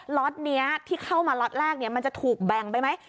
ล็อตนี้ที่เข้ามาล็อตแรกมันจะถูกแบ่งไปไหม